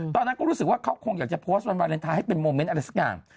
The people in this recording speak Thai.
ตอนนั้นก็รู้สึกว่าเขาคงอยากจะโพสต์วันวาเลนไทยให้เป็นโมเมนต์อะไรสักอย่าง